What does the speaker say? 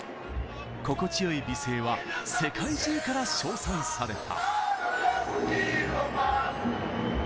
心地よい美声は世界中から称賛された。